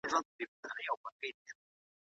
د هغه وکالت په اساس پريکړه کولای سي.